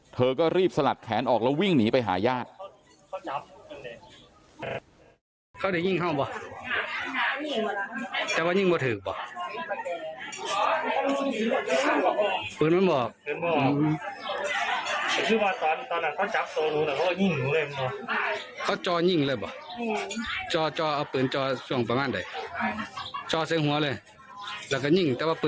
เธอก็รีบสลัดแขนออกแล้ววิ่งหนีไปหาญาติ